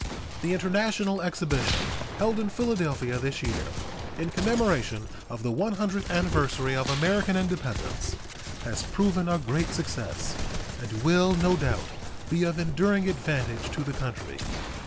The international exhibition held in Philadelphia this year, in commemoration of the one hundredth anniversary of American independence, has proven a great success, and will, no doubt, be of enduring advantage to the country.